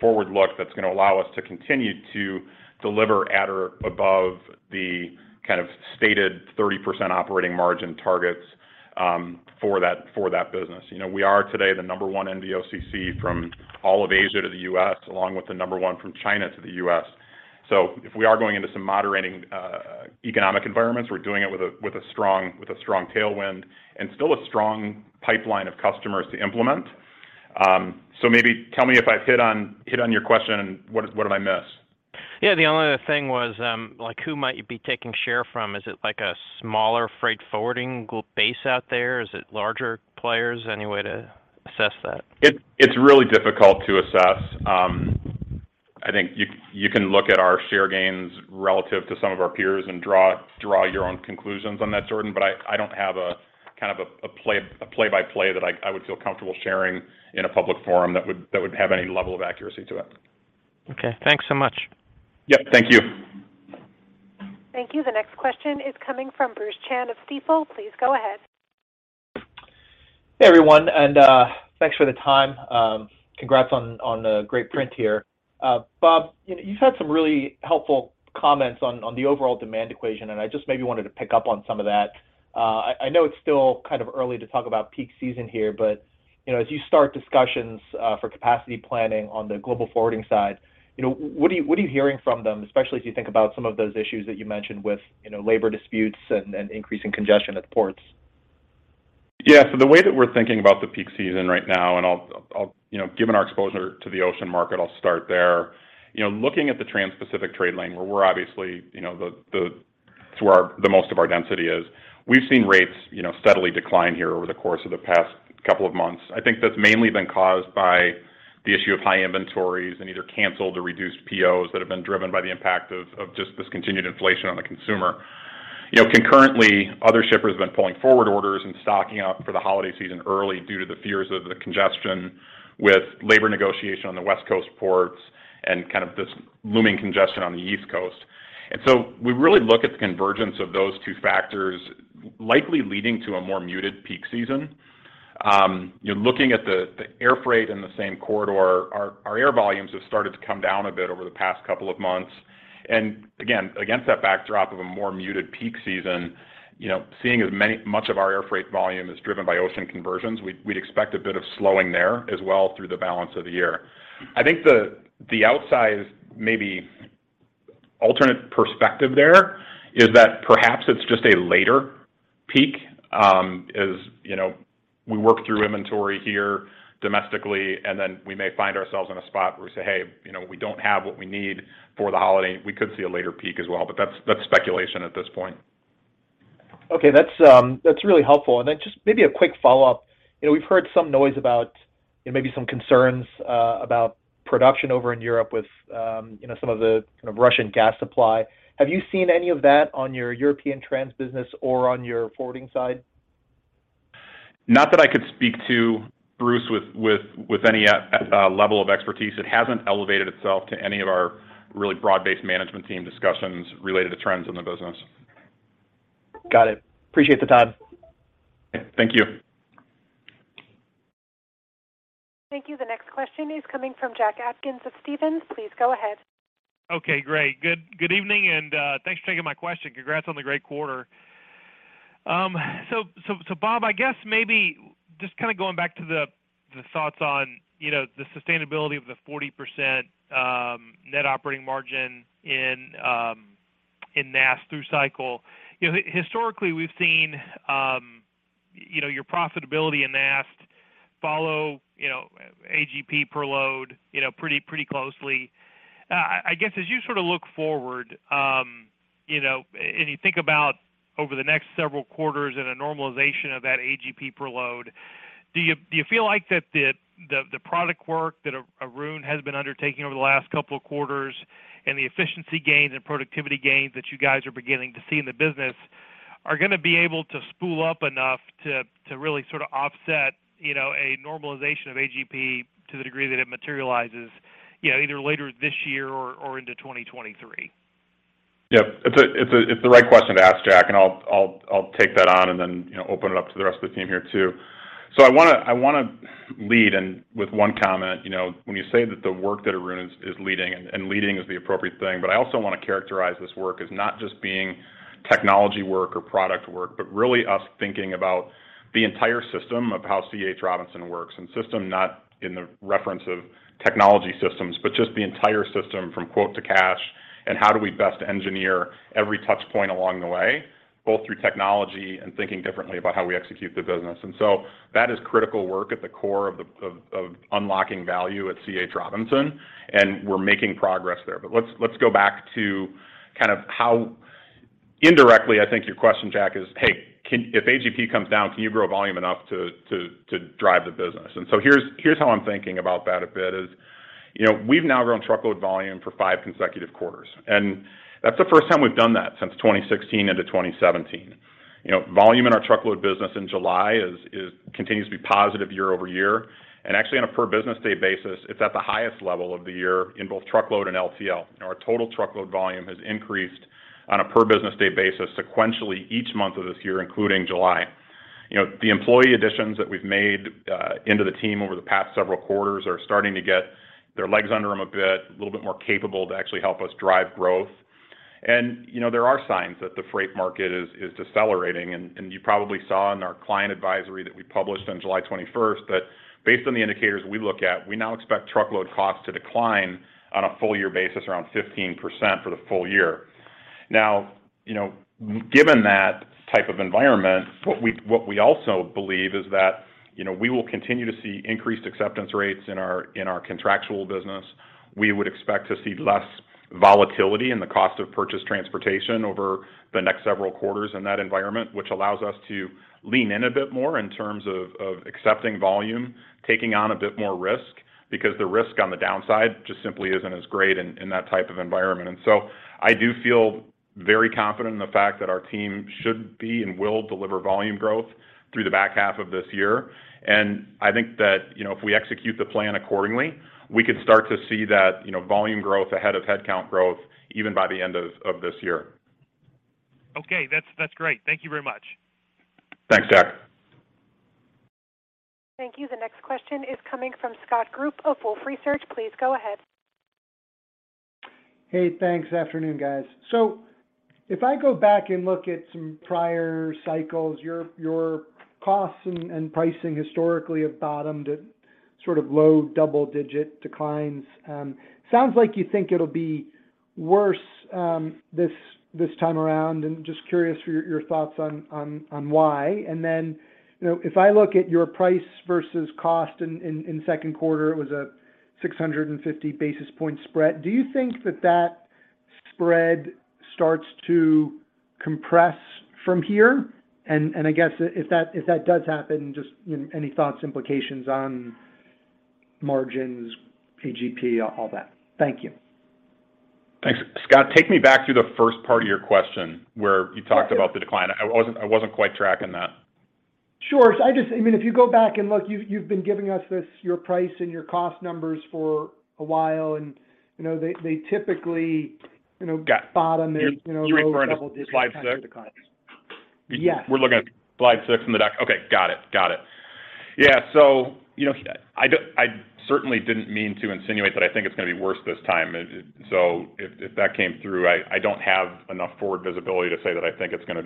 forward look that's gonna allow us to continue to deliver at or above the kind of stated 30% operating margin targets for that business. You know, we are today the number one NVOCC from all of Asia to the U.S., along with the number one from China to the U.S. So if we are going into some moderating economic environments, we're doing it with a strong tailwind and still a strong pipeline of customers to implement. Maybe tell me if I've hit on your question and what did I miss? Yeah. The only other thing was, like who might you be taking share from? Is it like a smaller freight forwarding base out there? Is it larger players? Any way to assess that? It's really difficult to assess. I think you can look at our share gains relative to some of our peers and draw your own conclusions on that, Jordan. I don't have a kind of play-by-play that I would feel comfortable sharing in a public forum that would have any level of accuracy to it. Okay. Thanks so much. Yep. Thank you. Thank you. The next question is coming from Bruce Chan of Stifel. Please go ahead. Hey, everyone, thanks for the time. Congrats on a great print here. Bob, you've had some really helpful comments on the overall demand equation, and I just maybe wanted to pick up on some of that. I know it's still kind of early to talk about peak season here, but you know, as you start discussions for capacity planning on the Global Forwarding side, you know, what are you hearing from them, especially as you think about some of those issues that you mentioned with you know, labor disputes and increasing congestion at the ports? Yeah. The way that we're thinking about the peak season right now, and I'll, you know, given our exposure to the ocean market, I'll start there. You know, looking at the Transpacific trade lane, where we're obviously, you know, it's where the most of our density is, we've seen rates, you know, steadily decline here over the course of the past couple of months. I think that's mainly been caused by the issue of high inventories and either canceled or reduced POs that have been driven by the impact of just this continued inflation on the consumer. You know, concurrently, other shippers have been pulling forward orders and stocking up for the holiday season early due to the fears of the congestion with labor negotiation on the West Coast ports and kind of this looming congestion on the East Coast. We really look at the convergence of those two factors likely leading to a more muted peak season. You know, looking at the air freight in the same corridor, our air volumes have started to come down a bit over the past couple of months. Again, against that backdrop of a more muted peak season, you know, seeing as much of our air freight volume is driven by ocean conversions, we'd expect a bit of slowing there as well through the balance of the year. I think the outsized maybe alternate perspective there is that perhaps it's just a later peak, as you know, we work through inventory here domestically, and then we may find ourselves in a spot where we say, "Hey, you know, we don't have what we need for the holiday." We could see a later peak as well, but that's speculation at this point. Okay, that's really helpful. Just maybe a quick follow-up. You know, we've heard some noise about maybe some concerns about production over in Europe with you know, some of the kind of Russian gas supply. Have you seen any of that on your European trans business or on your forwarding side? Not that I could speak to Bruce with any great level of expertise. It hasn't elevated itself to any of our really broad-based management team discussions related to trends in the business. Got it. Appreciate the time. Thank you. Thank you. The next question is coming from Jack Atkins of Stephens. Please go ahead. Okay, great. Good evening, and thanks for taking my question. Congrats on the great quarter. Bob, I guess maybe just kind of going back to the thoughts on, you know, the sustainability of the 40% net operating margin in NAST through cycle. You know, historically, we've seen, you know, your profitability in NAST follow, you know, AGP per load, you know, pretty closely. I guess as you sort of look forward, you know, and you think about over the next several quarters and a normalization of that AGP per load, do you feel like that the product work that Arun has been undertaking over the last couple of quarters and the efficiency gains and productivity gains that you guys are beginning to see in the business are going to be able to spool up enough to really sort of offset, you know, a normalization of AGP to the degree that it materializes, you know, either later this year or into 2023? Yeah. It's the right question to ask, Jack, and I'll take that on and then, you know, open it up to the rest of the team here too. I want to lead in with one comment. You know, when you say that the work that Arun is leading, and leading is the appropriate thing. But I also want to characterize this work as not just being technology work or product work, but really us thinking about the entire system of how C.H. Robinson works, and system not in the reference of technology systems, but just the entire system from quote to cash and how do we best engineer every touch point along the way, both through technology and thinking differently about how we execute the business. That is critical work at the core of unlocking value at C.H. Robinson, and we're making progress there. Let's go back to kind of how. Indirectly, I think your question, Jack, is, hey, can if AGP comes down, can you grow volume enough to drive the business? Here's how I'm thinking about that a bit is, you know, we've now grown truckload volume for five consecutive quarters. That's the first time we've done that since 2016 into 2017. You know, volume in our truckload business in July continues to be positive year-over-year. Actually on a per business day basis, it's at the highest level of the year in both truckload and LTL. Our total truckload volume has increased on a per business day basis sequentially each month of this year, including July. You know, the employee additions that we've made into the team over the past several quarters are starting to get their legs under them a bit, a little bit more capable to actually help us drive growth. You know, there are signs that the freight market is decelerating. You probably saw in our client advisory that we published on July 21st that based on the indicators we look at, we now expect truckload costs to decline on a full year basis around 15% for the full year. Now, you know, given that type of environment, what we also believe is that, you know, we will continue to see increased acceptance rates in our contractual business. We would expect to see less volatility in the cost of purchased transportation over the next several quarters in that environment, which allows us to lean in a bit more in terms of of accepting volume, taking on a bit more risk because the risk on the downside just simply isn't as great in that type of environment. I do feel very confident in the fact that our team should be and will deliver volume growth through the back half of this year. I think that, you know, if we execute the plan accordingly, we could start to see that, you know, volume growth ahead of headcount growth even by the end of this year. Okay. That's great. Thank you very much. Thanks, Jack. Thank you. The next question is coming from Scott Group of Wolfe Research. Please go ahead. Hey, thanks. Afternoon, guys. If I go back and look at some prior cycles, your costs and pricing historically have bottomed at sort of low double-digit declines. Sounds like you think it'll be worse this time around, and just curious for your thoughts on why. You know, if I look at your price versus cost in second quarter, it was a 650 basis points spread. Do you think that spread starts to compress from here? I guess if that does happen, just any thoughts, implications on margins, AGP, all that. Thank you. Thanks. Scott, take me back to the first part of your question where you talked about the decline. I wasn't quite tracking that. Sure. I mean, if you go back and look, you've been giving us this, your price and your cost numbers for a while, and you know, they typically you know. Got- Bottom there, you know. You're referring to slide six? Yes. We're looking at slide six in the deck. Okay, got it. Yeah. You know, I certainly didn't mean to insinuate that I think it's going to be worse this time. If that came through, I don't have enough forward visibility to say that I think it's going to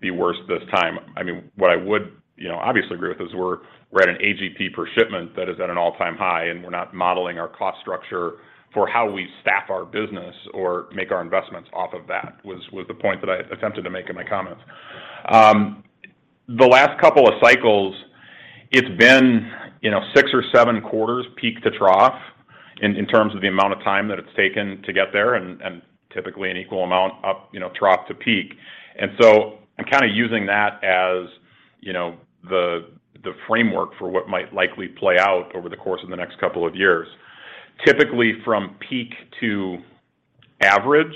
be worse this time. I mean, what I would, you know, obviously agree with is we're at an AGP per shipment that is at an all-time high, and we're not modeling our cost structure for how we staff our business or make our investments off of that, was the point that I attempted to make in my comments. The last couple of cycles, it's been, you know, six or seven quarters peak to trough in terms of the amount of time that it's taken to get there and typically an equal amount up, you know, trough to peak. I'm kind of using that as, you know, the framework for what might likely play out over the course of the next couple of years. Typically, from peak to average,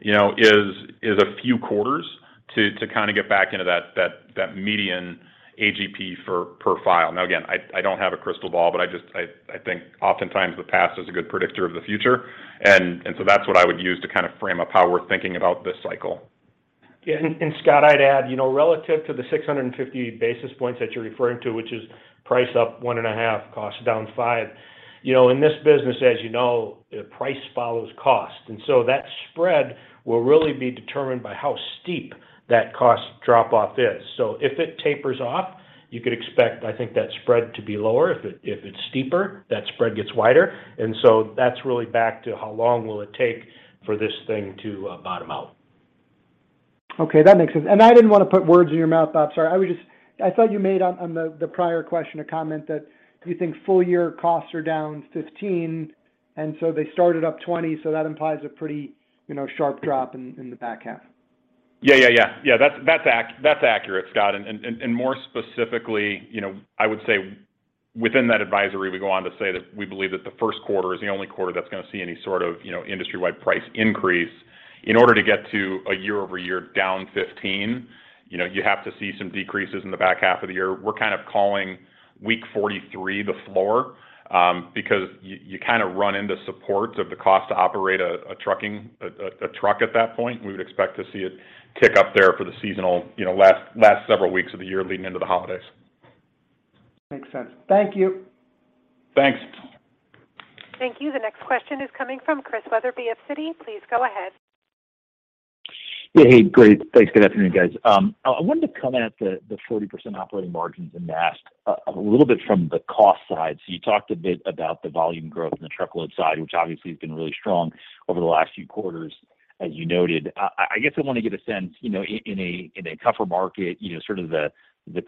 you know, is a few quarters to kind of get back into that median AGP per file. Now, again, I don't have a crystal ball, but I think oftentimes the past is a good predictor of the future. That's what I would use to kind of frame up how we're thinking about this cycle. Yeah. Scott, I'd add, you know, relative to the 650 basis points that you're referring to, which is price up 1.5, cost down five. You know, in this business, as you know, price follows cost. That spread will really be determined by how steep that cost drop off is. If it tapers off, you could expect, I think, that spread to be lower. If it's steeper, that spread gets wider. That's really back to how long it will take for this thing to bottom out. Okay, that makes sense. I didn't want to put words in your mouth, Bob. Sorry. I was just. I thought you made on the prior question a comment that you think full year costs are down 15%, and so they started up 20%, so that implies a pretty, you know, sharp drop in the back half. Yeah. That's accurate, Scott. More specifically, you know, I would say within that advisory, we go on to say that we believe that the first quarter is the only quarter that's going to see any sort of, you know, industry-wide price increase. In order to get to a year-over-year down 15%, you know, you have to see some decreases in the back half of the year. We're kind of calling week 43 the floor, because you kind of run into support of the cost to operate a truck at that point. We would expect to see it tick up there for the seasonal, you know, last several weeks of the year leading into the holidays. Makes sense. Thank you. Thanks. Thank you. The next question is coming from Chris Wetherbee of Citi. Please go ahead. Yeah. Hey, great. Thanks. Good afternoon, guys. I wanted to comment on the 40% operating margins in NAST a little bit from the cost side. You talked a bit about the volume growth in the truckload side, which obviously has been really strong over the last few quarters, as you noted. I guess I want to get a sense, you know, in a tougher market, you know, sort of the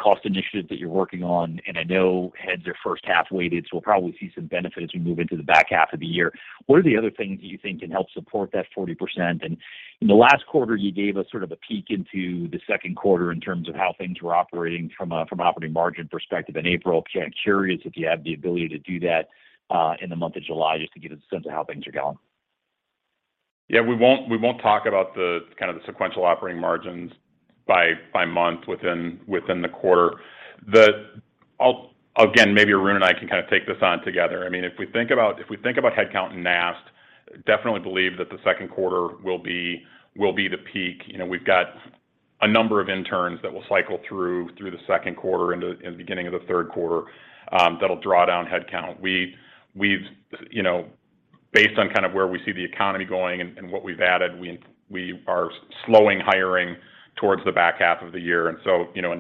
cost initiatives that you're working on, and I know headcount adds are first half weighted, so we'll probably see some benefit as we move into the back half of the year. What are the other things you think can help support that 40%? In the last quarter, you gave us sort of a peek into the second quarter in terms of how things were operating from an operating margin perspective in April. I'm curious if you have the ability to do that in the month of July, just to get a sense of how things are going. Yeah. We won't talk about the kind of the sequential operating margins by month within the quarter. I'll again, maybe Arun and I can kind of take this on together. I mean, if we think about headcount in NAST, definitely believe that the second quarter will be the peak. You know, we've got a number of interns that will cycle through the second quarter into the beginning of the third quarter, that'll draw down headcount. You know, based on kind of where we see the economy going and what we've added, we are slowing hiring towards the back half of the year. In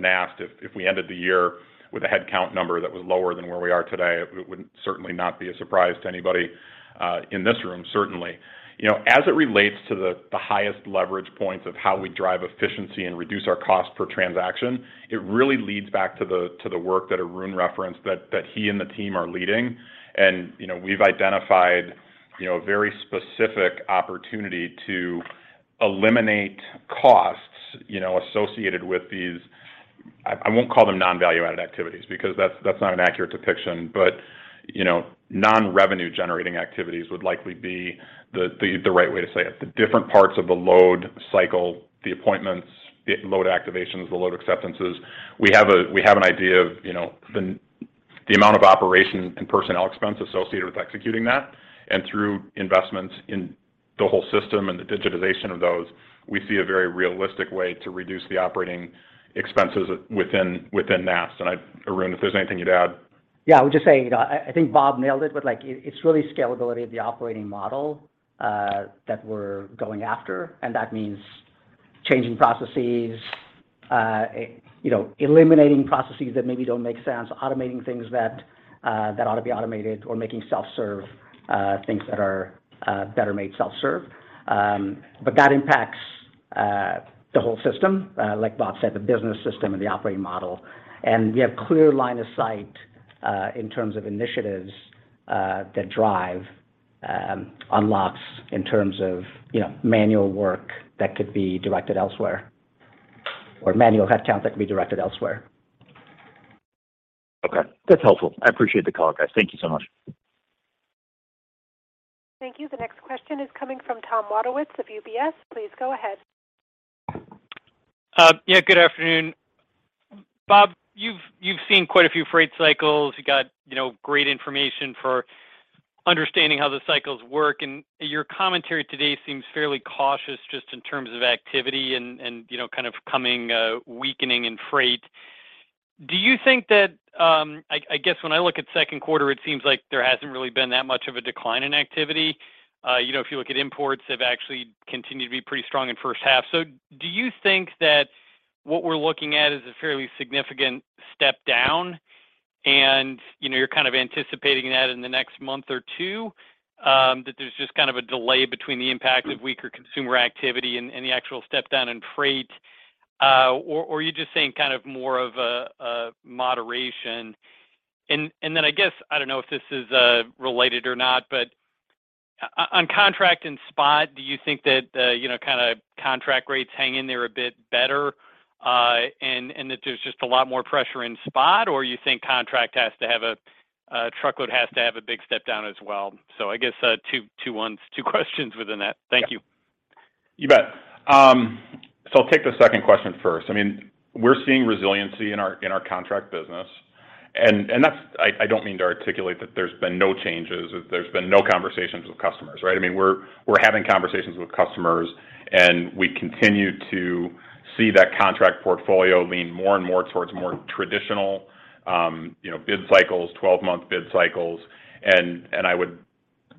NAST, if we ended the year with a headcount number that was lower than where we are today, it would certainly not be a surprise to anybody in this room, certainly. As it relates to the highest leverage points of how we drive efficiency and reduce our cost per transaction, it really leads back to the work that Arun referenced that he and the team are leading. We've identified a very specific opportunity to eliminate costs associated with these. I won't call them non-value-added activities because that's not an accurate depiction. Non-revenue generating activities would likely be the right way to say it. The different parts of the load cycle, the appointments, the load activations, the load acceptances. We have an idea of, you know, the amount of operational and personnel expense associated with executing that. Through investments in the whole system and the digitization of those, we see a very realistic way to reduce the operating expenses within NAST. I, Arun, if there's anything you'd add. Yeah. I would just say, you know, I think Bob nailed it with like it's really scalability of the operating model that we're going after, and that means changing processes, you know, eliminating processes that maybe don't make sense, automating things that ought to be automated or making self-serve things that are better made self-serve. But that impacts the whole system like Bob said, the business system and the operating model. We have clear line of sight in terms of initiatives that drive unlocks in terms of, you know, manual work that could be directed elsewhere or manual headcount that can be directed elsewhere. Okay. That's helpful. I appreciate the call, guys. Thank you so much. Thank you. The next question is coming from Tom Wadewitz of UBS. Please go ahead. Yeah, good afternoon. Bob, you've seen quite a few freight cycles. You got, you know, great information for understanding how the cycles work. Your commentary today seems fairly cautious just in terms of activity and, you know, kind of coming, weakening in freight. Do you think that, I guess when I look at second quarter, it seems like there hasn't really been that much of a decline in activity. You know, if you look at imports, they've actually continued to be pretty strong in first half. So do you think that what we're looking at is a fairly significant step down? You know, you're kind of anticipating that in the next month or two, that there's just kind of a delay between the impact of weaker consumer activity and the actual step down in freight. Are you just saying kind of more of a moderation? I guess I don't know if this is related or not, but on contract and spot, do you think that you know kind of contract rates hang in there a bit better, and that there's just a lot more pressure in spot? You think contract truckload has to have a big step down as well? I guess two-in-ones, two questions within that. Thank you. You bet. I'll take the second question first. I mean, we're seeing resiliency in our contract business, and that's I don't mean to articulate that there's been no changes, that there's been no conversations with customers, right? I mean, we're having conversations with customers, and we continue to see that contract portfolio lean more and more towards more traditional, you know, bid cycles, 12-month bid cycles. I would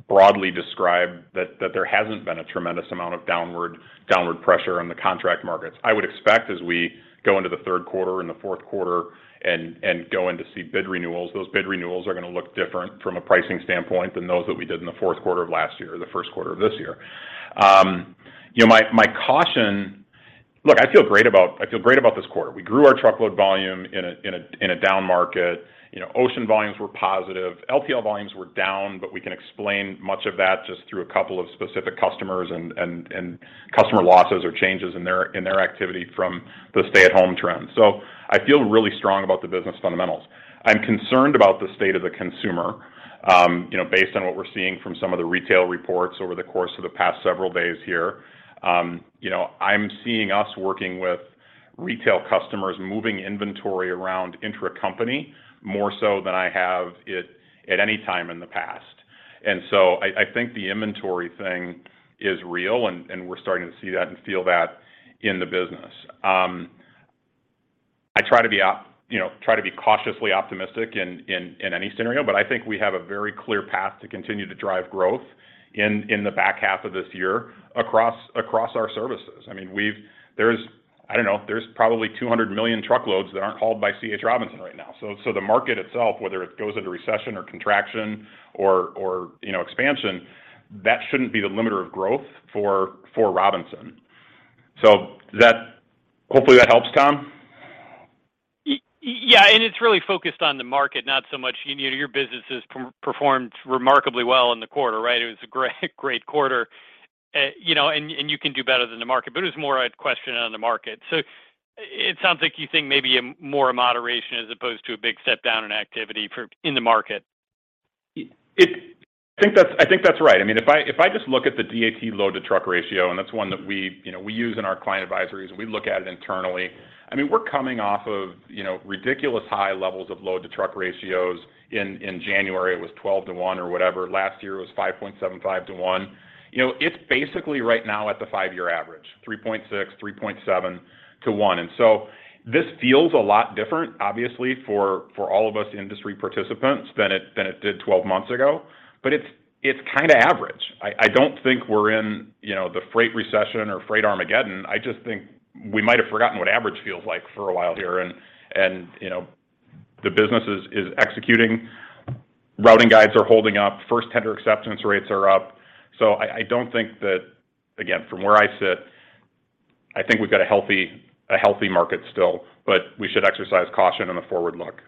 broadly describe that there hasn't been a tremendous amount of downward pressure on the contract markets. I would expect as we go into the third quarter and the fourth quarter and go in to see bid renewals, those bid renewals are gonna look different from a pricing standpoint than those that we did in the fourth quarter of last year or the first quarter of this year. You know, my caution. Look, I feel great about this quarter. We grew our truckload volume in a down market. You know, ocean volumes were positive. LTL volumes were down, but we can explain much of that just through a couple of specific customers and customer losses or changes in their activity from the stay-at-home trend. I feel really strong about the business fundamentals. I'm concerned about the state of the consumer, you know, based on what we're seeing from some of the retail reports over the course of the past several days here. You know, I'm seeing us working with retail customers moving inventory around intercompany more so than I have at any time in the past. I think the inventory thing is real, and we're starting to see that and feel that in the business. You know, I try to be cautiously optimistic in any scenario, but I think we have a very clear path to continue to drive growth in the back half of this year across our services. I mean, there's probably 200 million truckloads that aren't hauled by C.H. Robinson right now. So the market itself, whether it goes into recession or contraction or you know, expansion, that shouldn't be the limiter of growth for Robinson. Hopefully that helps, Tom. Yeah, it's really focused on the market, not so much, you know, your business has performed remarkably well in the quarter, right? It was a great quarter. You know, you can do better than the market, but it was more a question on the market. It sounds like you think maybe more a moderation as opposed to a big step down in activity in the market. I think that's right. I mean, if I just look at the DAT load-to-truck ratio, and that's one that we, you know, we use in our client advisories, and we look at it internally. I mean, we're coming off of, you know, ridiculous high levels of load-to-truck ratios in January. It was 12-to-1 or whatever. Last year it was 5.75-to-1. You know, it's basically right now at the five-year average, 3.6-3.7-to-1. This feels a lot different, obviously, for all of us industry participants than it did 12 months ago. It's kinda average. I don't think we're in, you know, the freight recession or freight Armageddon. I just think we might have forgotten what average feels like for a while here and you know, the business is executing. Routing guides are holding up. First tender acceptance rates are up. I don't think that, again, from where I sit, I think we've got a healthy market still. We should exercise caution on the forward look.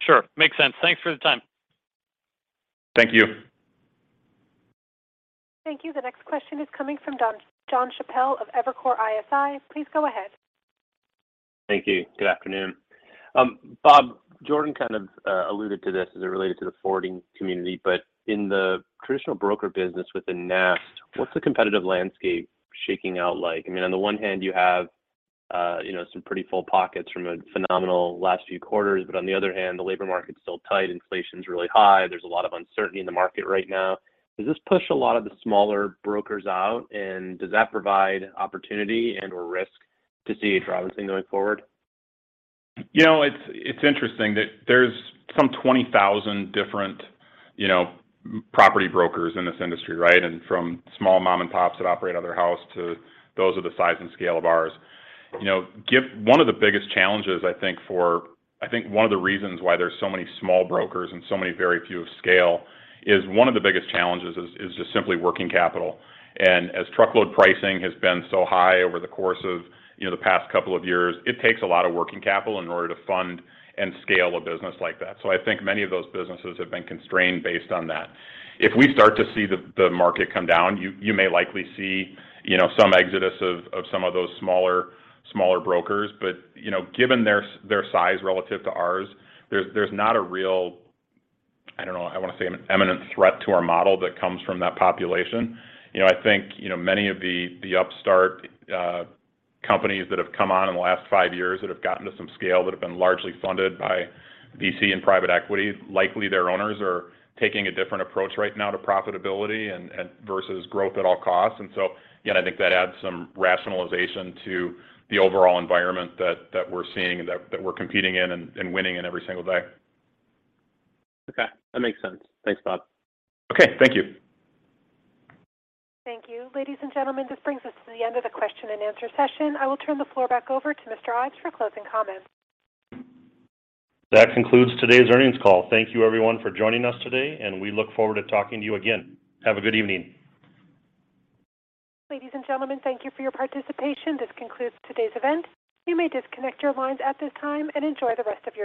Sure. Makes sense. Thanks for the time. Thank you. Thank you. The next question is coming from Jon Chappell of Evercore ISI. Please go ahead. Thank you. Good afternoon. Bob, Jordan kind of alluded to this as it related to the forwarding community, but in the traditional broker business within NAST, what's the competitive landscape shaking out like? I mean, on the one hand, you have you know, some pretty full pockets from a phenomenal last few quarters. On the other hand, the labor market's still tight, inflation's really high, there's a lot of uncertainty in the market right now. Does this push a lot of the smaller brokers out, and does that provide opportunity and/or risk to C.H. Robinson going forward? You know, it's interesting that there's some 20,000 different, you know, property brokers in this industry, right? From small mom and pops that operate out of their house to those with the size and scale of ours. You know, one of the biggest challenges, I think, one of the reasons why there's so many small brokers and so many very few of scale is one of the biggest challenges is just simply working capital. As truckload pricing has been so high over the course of, you know, the past couple of years, it takes a lot of working capital in order to fund and scale a business like that. I think many of those businesses have been constrained based on that. If we start to see the market come down, you may likely see, you know, some exodus of some of those smaller brokers. You know, given their size relative to ours, there's not a real, I don't know, I wanna say an imminent threat to our model that comes from that population. You know, I think, you know, many of the upstart companies that have come on in the last five years that have gotten to some scale, that have been largely funded by VC and private equity, likely their owners are taking a different approach right now to profitability and versus growth at all costs. Again, I think that adds some rationalization to the overall environment that we're seeing and that we're competing in and winning in every single day. Okay. That makes sense. Thanks, Bob. Okay. Thank you. Thank you. Ladies and gentlemen, this brings us to the end of the question and answer session. I will turn the floor back over to Mr. Ives for closing comments. That concludes today's earnings call. Thank you everyone for joining us today, and we look forward to talking to you again. Have a good evening. Ladies and gentlemen, thank you for your participation. This concludes today's event. You may disconnect your lines at this time and enjoy the rest of your day.